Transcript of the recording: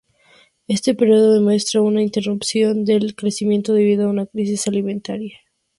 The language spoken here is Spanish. Este periodo demuestra una interrupción del crecimiento debido a una crisis alimentaria.